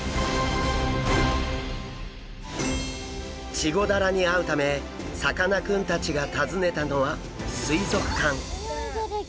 チゴダラに会うためさかなクンたちが訪ねたのは水族館。